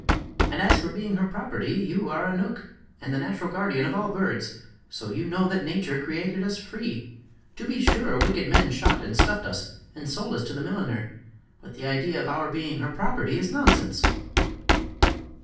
"And as for being her property, you are a knook, and the natural guardian of all birds; so you know that Nature created us free. To be sure, wicked men shot and stuffed us, and sold us to the milliner; but the idea of our being her property is nonsense!"